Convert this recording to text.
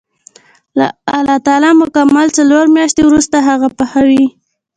الله تعالی مکمل څلور میاشتې وروسته هغه پخوي.